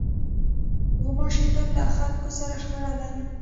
غوماشې تل له خلکو سره شخړه لري.